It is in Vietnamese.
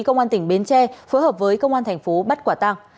công an tỉnh bến tre phối hợp với công an thành phố bắt quả tăng